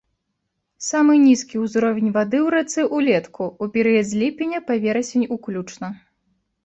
Самы нізкі ўзровень вады ў рацэ ўлетку, у перыяд з ліпеня па верасень уключна.